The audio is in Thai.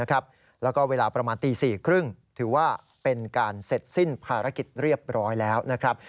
แล้วก็เวลาประมาณตี๔๓๐ถือว่าเป็นการเสร็จสิ้นภารกิจเรียบร้อยแล้วนะครับ